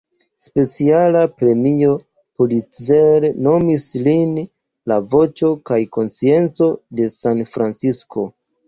Speciala Premio Pulitzer nomis lin la "voĉo kaj konscienco" de San-Francisko.